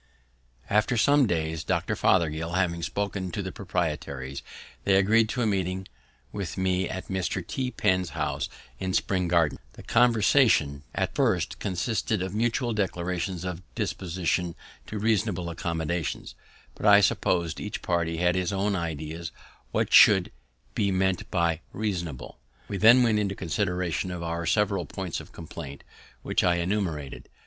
After some days, Dr. Fothergill having spoken to the proprietaries, they agreed to a meeting with me at Mr. T. Penn's house in Spring Garden. The conversation at first consisted of mutual declarations of disposition to reasonable accommodations, but I suppose each party had its own ideas of what should be meant by reasonable. We then went into consideration of our several points of complaint, which I enumerated.